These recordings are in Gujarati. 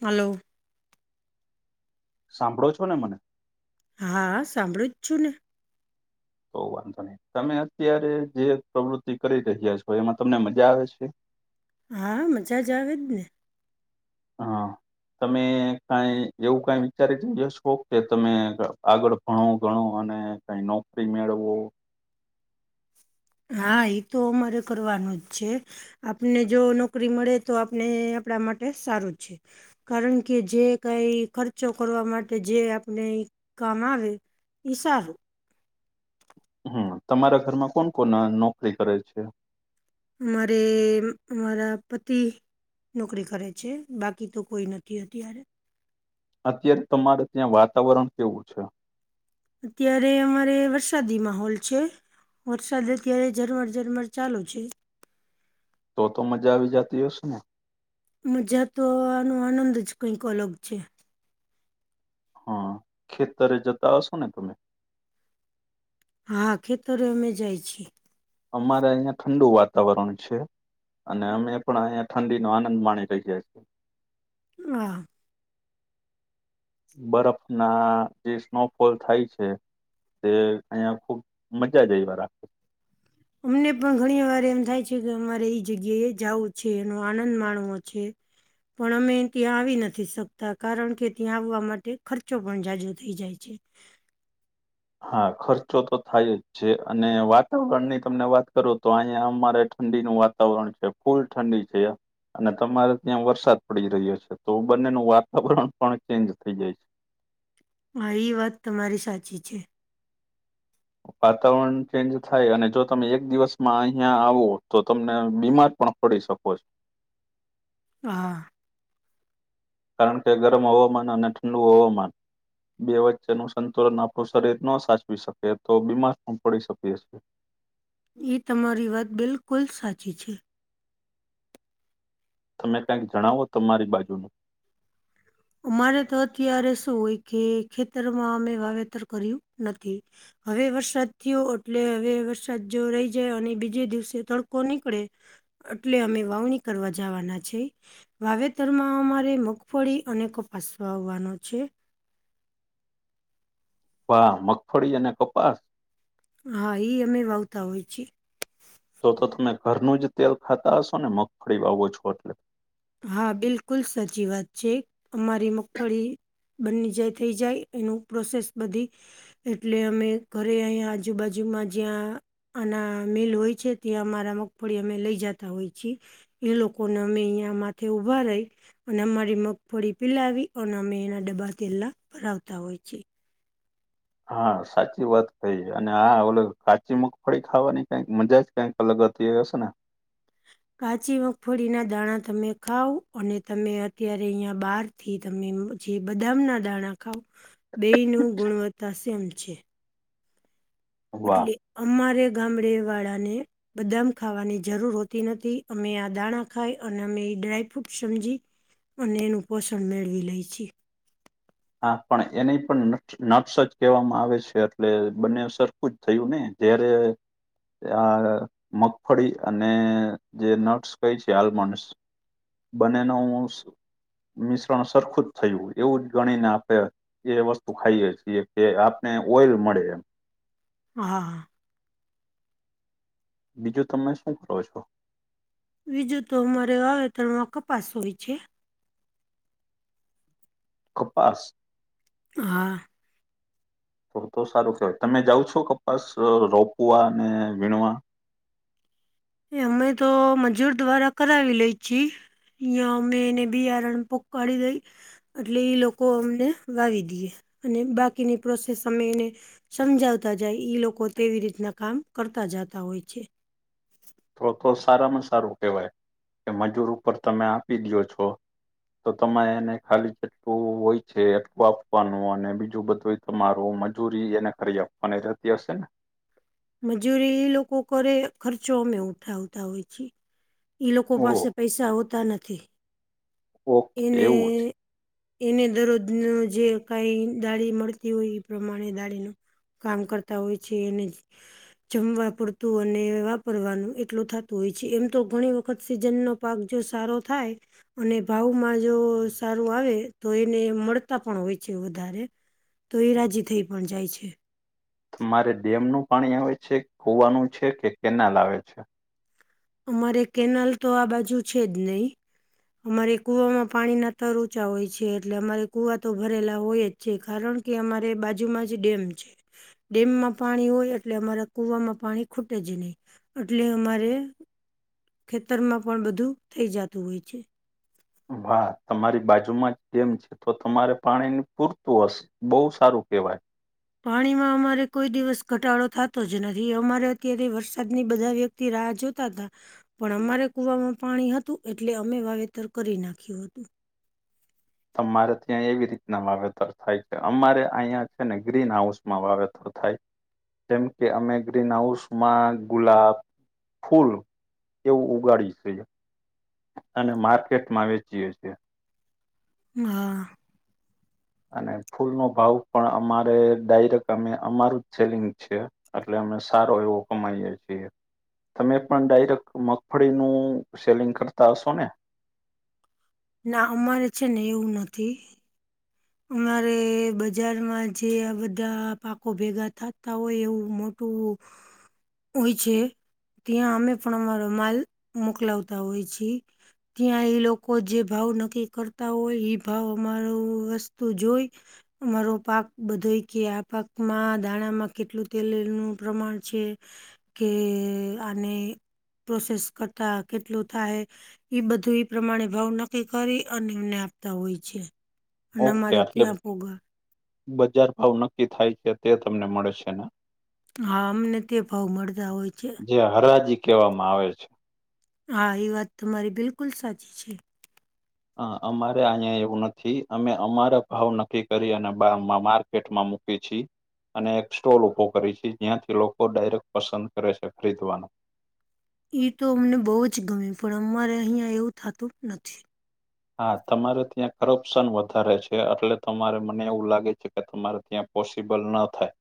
હલો. સાંભળો છો ને મને? હા સાંભળું જ છું ને. તો વાંધો નહી તમે અત્યારે જે પ્રવૃતિ કરી રહ્યા છો એમાં તમને મજા આવે છે. હા મજા જ આવેજ ને. હા તમે કઈ એવું કઈ વિચારે છે શોકો કે તમે આગળ ભણુ ઘણુ અને કઈ નોકરી મેળવવું. હા એ તો અમારે કરવાનું જ છે. આપને જો નોકરી મળે તો આપને આપણા માટે સારું છે. કારણ કે જે કઈ ખર્ચો કરવા માટે જે આપણે કામ આવે. ઈ સારુ. હમ્મ તમારા ઘરમાં કોણ કોણ નોકરી કરે છે? મારે મારા પતિ. નોકરી કરે છે, બાકી તો કોઈ નથી અત્યારે. અત્યારે તમારે ત્યાં વાતાવરણ કેવું છે? અત્યારે અમારે વરસાદી માહોલ છે. વરસાદ અત્યારે ઝરમર ઝરમર ચાલુ છે. તો તો મજા આવી જતી હશે ને? મજા તો આનો આનંદ જ કંઈક અલગ છે. હા ખેતરે જતા હશો ને તમે? હા ખેતરે અમે જાય છી. અમારે અહિયાં ઠંડુ વાતાવરણ છે. અને અમે પણ અહીંયા ઠંડી નો આનંદ માણી રહ્યા છીએ. હા. બરફના જે સ્નોફોલ થાય છે. તે અહંયા ખુબ મજા જ એવા રા. અમને પણ ઘણી વાર એમ થાય છે કે અમારે એઈ જગ્યા એએ જવું છે એનો આનંદ માણવો છે. પણ અમે ત્યાં આવી નથી શકતા કારણ કે ત્યાં આવવા માટે ખર્ચો પણ જાજો થઈ જાય છે. છે. હા ખર્ચો તો થાય જ છે અને વાતાવરણ ની તમને વાત કરો તો અહીંયા અમારે ઠંડીનું વાતા વાતાવરણ છે ફૂલ ઠંડી છે. અને તમારે ત્યાં વરસાદ પડી રહ્યો છે તો બંનેનું વાતાવરણ પણ ચેન્જ થઈ જાય છે. હા ઇ વાત તમારી સાચી છે. વાતાવરણ ચેન્જ થાય અને જો તમે એક દિવસમાં અહિયાં આવો તો તમને બીમાર પણ પડી સકો છો. હા. કારણ કે ગરમ હવામાન અને ઠંડુ હવામાન. બે વચ્ચેનું સંતુલન આપણું શરીર ન સાચવી શકે તો બીમાર પણ પડી શકીએ છીએ. એ તમારી વાત બિલકુલ સાચી છે. તમે કંઈક જણાવો તમારી બાજુ નું. અમારે તો અત્યારે શું હોય કે ખેતરમાં અમે વાવેતર કર્યું નથી. હવે વરસાદ થયો એટલે હવે વરસાદ જો રહી જાય અને બીજે દિવસે તડકો નીકળે એટલે અમે વાવણી કરવા જવાના છે વાવેતરમાં અમારે મગફળી અને કપાસ વાવવાનો છે. વા મગફળી અને કપાસ હા ઈ અમે બવતા હોય છી. તો તો તમે ઘરનું જ તેલ ખાતા હશો ને મગફળી વાવો છો એટલે? હા બિલકુલ સાચી વાત છે અમારી મગફળી બંની જાય થઈ જાય એનું પ્રોસેસ બધી એટલે અમે ઘરે અહીંયા આજુબાજુમાં જ્યાં અનેના મિલ હોય છે ત્યાં અમારા મગફળી અમે લઈ જતા હોય છીએ એ લોકોને અમે અહીંયા માથે ઉભા રહી અને અમારી મગફળી પિલાવી અને અમે એના ડબ્બા તેલા ભરાવતા હોય છે. હા સાચી વાત કઈ અને હા ઓલો કાચી મગફળી ખાવાની કઈક મજા જ કાઈક અલગ હતી હશે ને. કાચી મગફળીના દાણા તમે ખાવ અને તમે અત્યારે અહીંયા બાર થી તમે જે બદામના દાણા ખાવ બે નુ ગુણવત્તા સેમ છે. વાહ એટલે અમારે ગામડે વાળાને બદામ ખાવાની જરૂર હોતી નથી અમે આ દાણા ખાય અને અમે એ ડ્રાયફ્રૂટ સમજી અને એનું પોષણ મેળવી લે છી. હા પણ એનેઈ પણ ન નટ્સ જ કહેવામાં આવે છે એટલે બંને સરખું જ થયું ને જયારે આ મગફળી અને જે નટસ કઈ છે આલમડસ બનેનું મિશ્રણ સરખું જ થયું એવું જ ગણીને આપણે એ વસ્તુ ખાઈએ છીએ કે આપને ઓઈલ મળે એમ. હા હા બીજું તમે શું કરો છો? બીજું તો અમારે વાવેતરણમાં કપાસ હોય છે. કપાસ હા [inaudible] તો તો સારું કેહેવાય તમે જાવ છો કપાસ રોપવા અનેને વીણવા? એ અમે તો મજૂર દ્વારા કરાવી લઈ છી. યા મેને બીયારણ પોકડી દઈ એટલે એ લોકો અમને વાવી દેે અને બાકીની પ્રોસેસ અમે એને સમજાવતા જાય ઈ લોકો તેવી રીતના કામ કરતા જતા હોય છે. તો તો સારામાં સારું કહેવાય કે મજૂર ઉપર તમે આપી દો છો તો તમારે એને ખાલી જેટલું હોય છે એટલું આપવાનું અને બીજું બધું તમારુ મજૂરી એને કરી આપવાની રહેતી હશે ને? મજૂરી એ લોકો કરે ખર્ચો અમે ઉઠાવતા હોય છી. ઈ લોકો ઓહ પાસે પૈસા હોતા નથી ઓકે એને એવું છે એને દરરોજ ના જે કઈ દાળી મળતી હોય એ પ્રમાણે દાળી નુ કામ કરતા હોય છે એને જમવા પુરતું અને વાપરવાનું એટલું થતું હોય છે એમ તો ઘણી વખત સીઝનનો પાક જો સારો થાય અને ભાવમાં જો સારું આવે તો એને મળતા પણ હોય છે વધારે તો એ રાજી થઈ પણ જાય છે. મારે ડેમનું પાણી આવે છે, ખુવાનું છે કે, કેનાલ આવે છે? અમારે કેનાલ તો આ બાજુ છે જ નહી. અમારે કુવામાં પાણીના તર ઊંચા હોય છે, એટલે અમારે કુવા તો ભરેલા હોય જ. છે. કારણ કે અમારે બાજુમાં જ ડેમ છે. ડેમમાં પાણી હોય, એટલે અમારા કુવામાં પાણી ખૂટે જ નહીં, એટલે અમારે ખેતર માં પણ બધું થઈ જતું હોય છે. વાહ, તમારી બાજુમાં જ ડેમ છે, તો તમારે પાણી પૂરતું હશે. બહુ સારું કેવાય. પાણીમાં અમારે કોઈ દિવસ ઘટાડો થતો જ નથી, અમારે અત્યારે વરસાદની બધા વ્યક્તિ તે રાહ જોતા હતા. પણ અમારે કુવામાં પાણી હતું, એટલે અમે વાવેતર કરી નાખ્યું હતું. તમારે ત્યાં એવી રીતના વાવેતર થાય છે, અમારે અહીં છે ને, ગ્રીન હાઉસ માં વાવેતર થાય. જેમ કે, અમે ગ્રીન હાઉસ માં ગુલાબ. ફૂલ એવું ઉગાડીશ. અને માર્કેટમાં વેચીએ છીએ. હા. અને ફૂલ નો ભાવ પણ અમારે ડાયરેક્ટ, અમે અમારું જ સેલિંગ છે. એટલે અને સારો એવો કમાઈએે છીએ. તમે પણ ડાયરેક્ટ મગફળીનું સેલિંગ કરતા હશો ને? ના અમારે છે ને, એવું નથી. અમારે બજારમાં જે આ બધા પાકો ભેગા થતા હોય, એવું મો તો. હોય છે, ત્યાં અમે પણ અમારો માલ મોકલાવતા હોય છે. ત્યાં એ લોકો જે ભાવ નક્કી કરતા હોય, એ ભાવ અમારો તો જોઈ. મામારો પાક બધો કે, આ પાકમાં ધાણામાં કેટલું તેલનું પ્રમાણ છે? કે આને પ્રોસેસ કરતા કેટલું થાય. એ બધું એ પ્રમાણે ભાવ નક્કી કરી, અને એમને આપતા હોય છે. અને ઓકે, અમારે એટલે ત્યાં પોગા બજાર ભાવ નક્કી થાય છે, તે તમને મળે છે ને. હા, અમને તે ભાવ મળતા હોય છે. જે હરાજી કહેવામાં આવે છે. હા, એ વાત તમારી બિલકુલ સાચી છે. હ, અમારે અહીંયા એવું નથી, અમે અમારા ભાવ નક્કી કરી, અને બમાં માર પેટમાં મૂકે છે. અને એક સ્ટોલ ઊભો કરે છે, જ્યાંથી લોકો ડાયરેક્ટ પસંદ કરે છે, ખરીદવાનો એ તો અમને બહુ જ ગમે, પણ અમારે અહિયાં એવું થતું નથી. હા, તમારે ત્યાં કરપ્શન વધારે છે, એટલે તમારે મને એવું લાગે છે, કે તમારે ત્યાં પોસિબલ ન થાય,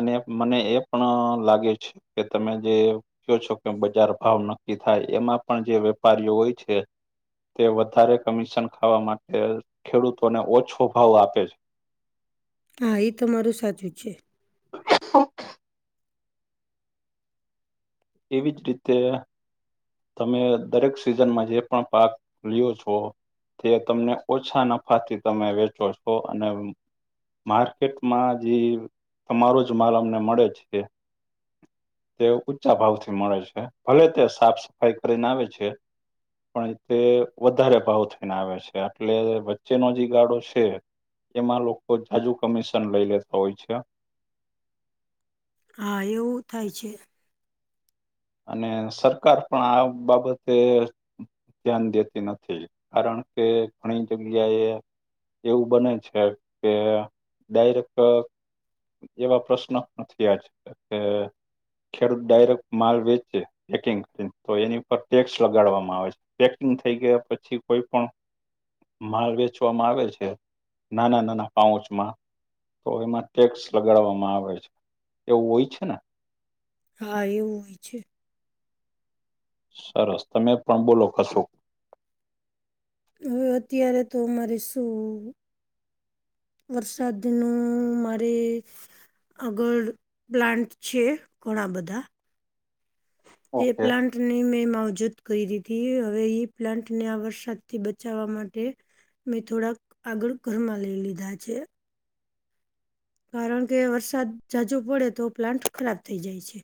અને મને એ પણ લાગે છે કે, તમે જે કેવો છો કે, બજાર ભાવ નક્કી થાય. એમાં પણ જે વેપારીઓ હોય છે. તે વધારે કમિશન ખાવા માટે ખેડૂતોને ઓછો ભાવ આપે છે. હા, એ તમારું સાચું જ છે. [unintelligible] એવી જ રીતે તમે દરેક સિઝનમાં જે પણ પાક લ્યો છો? તે તમને ઓછા નફાથી તમે વેચો છો, અને માર્કેટમાં જે તમારો જ માલ અમને મળે છે. તે ઊંચા ભાવથી મળે છે, ભલે, તે સાફ સફાઈ કરીને આવે છે. પણ તે વધારે ભાવ થઈને આવે છે, એટલે વચ્ચેનો જે ગાડો છે. એમાં લોકો જાજુ કમિશન લઈ લેતા હોય છે. હા, એવું થાય છે. અને સરકાર પણ આ બાબતે ધ્યાન દેતી નથી. કારણ, કે ઘણી જગ્યા એ એવું બને છે કે ડાયરેક્ટ- એવા પ્રશ્ન નથી આજ કે ખેડૂત ડાયરેક્ટ માલ વેચે. પેકિંગ કરીને તો એની પર ટેક્સ લગાડવામાં આવે છે. પેકિંગ થઈ ગયા, પછી કોઈ પણ માલ વેચવામાં આવે છે, નાના નાના પાઉચમાં. તો એમાં ટેક્સ લગાડવામાં આવે છે. એવું હોય છે ને? હા, એવું જ છે. સરસ. તમે પણ બોલો કશો? હ અત્યારે તો મારે શું? વરસાદ નુ મારે આગળ પ્લાન્ટ છે. ઘણા બધા તે ઓકે પ્લાંન્ટ ની મેં માવજૂત કરી દીધી. હવે, એ પ્લાન્ટને આ વરસાદથી બચાવવા માટે મેં થોડાક આગળ ઘરમાં લઈ લીધા છે. કારણ કે વરસાદ જાજો પડે, તો પ્લાન્ટ ખરાબ થઇ જાય છે.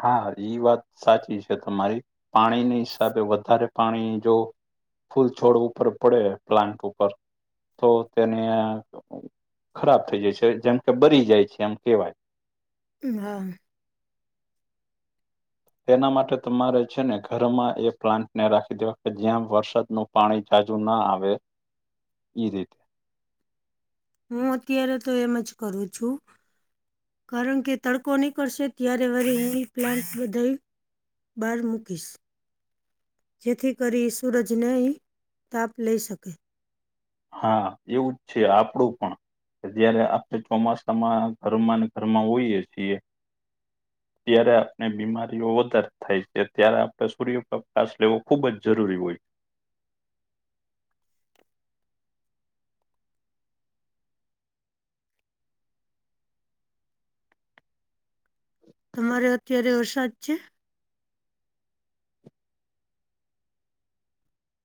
હા, એઈ વાત સાચી છે તમારી. પાણીની હિસાબે વધારે પાણી જો ફૂલ છોડ ઉપર પડે, પ્લાન્ટ ઉપર તો તેને- ખરાબ થઇ જાય છે, જેમ કે બરી જાય છે એમ કેવાય. હમ્મ એના માટે તમારે છે ને ઘરમાં એ પ્લાન્ટ ને રાખી દેવા કે જ્યાં વરસાદનું- પાણી તાજું ના આવે, ઈ રીતે હું અત્યારે તો એમ જ કરું છું. કારણ કે તડકો નીકળશે ત્યારે વારી હ પ્લાન્ટ બધ બાર મુૂકીશ. જેથી કરી સૂરજને તાપ લઈ શકે. હા, એવુંજ છે. આપડું પણ કે જયારે આપણે ચોમાસામાં ઘરમાં, ઘરમાં હોઈએ છીએ. ત્યારે આપણે બીમારીઓ વધારે થાય છે, ત્યારે આપણે સૂર્યપ્રકાશ લેવો ખુબ જ જરૂરી હોય. તમારે અત્યારે વરસાદ છે?